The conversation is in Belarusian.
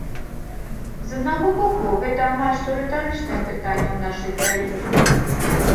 З аднаго боку, гэта амаль што рытарычнае пытанне ў нашай краіне.